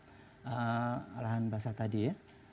untuk lahan basah tadi ya